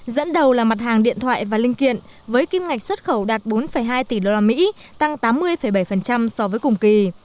dẫn đầu là mặt hàng điện thoại và linh kiện với kim ngạch xuất khẩu đạt bốn hai tỷ usd tăng tám mươi bảy so với cùng kỳ